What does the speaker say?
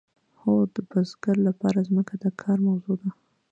هو د بزګر لپاره ځمکه د کار موضوع ده.